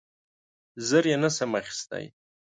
زه یې نه شم اخیستی .